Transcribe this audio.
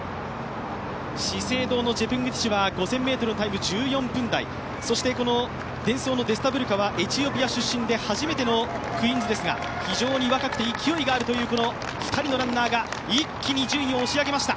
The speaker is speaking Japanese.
資生堂のジェプングティチは５０００ｍのタイムは１４分台、デンソーのデスタ・ブルカはエチオピア出身で初めてのクイーンズですが、非常に若くて勢いがあるという２人のランナーが一気に順位を押し上げました。